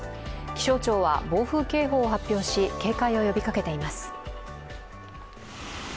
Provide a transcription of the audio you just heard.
気象庁は暴風警報を発表し警戒を呼びかけています。